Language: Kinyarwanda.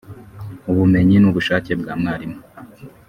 ubumenyi n’ubushake bwa mwarimu